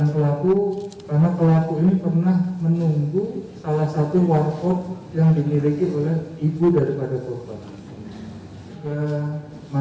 karena kelaku ini pernah menunggu salah satu warpot yang dimiliki oleh ibu daripada korban